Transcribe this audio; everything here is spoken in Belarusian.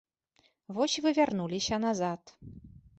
Вось вы вярнуліся назад.